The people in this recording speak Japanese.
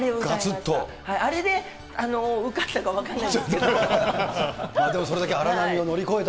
あれで受かったか分からない